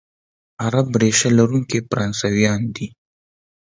عرب ریشه لرونکي فرانسویان دي،